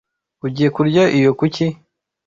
Ugiye kurya iyo kuki?